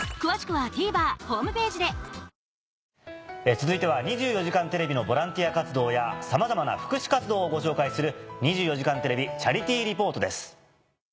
続いては『２４時間テレビ』のボランティア活動やさまざまな福祉活動をご紹介する。